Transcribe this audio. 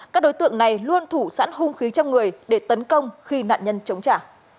các đối tượng này luôn thủ sẵn hung khí trong người để tấn công khi nạn nhân chống trả